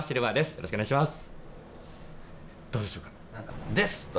よろしくお願いします。